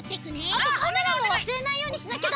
あとカメラもわすれないようにしなきゃだ！